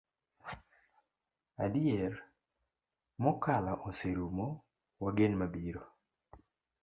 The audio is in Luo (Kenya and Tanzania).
Adier, mokalo oserumo, wagen mabiro.